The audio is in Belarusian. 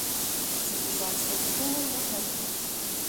Запісацца ў школу можна тут.